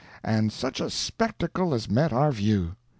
And such a spectacle as met our view!